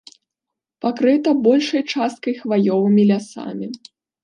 Пакрыта большай часткай хваёвымі лясамі.